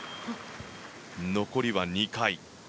残りは２回。